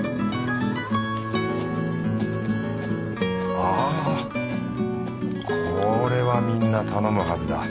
あぁこれはみんな頼むはずだ。